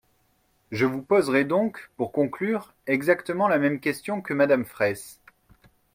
Je vous poserai donc, pour conclure, exactement la même question que Madame Fraysse.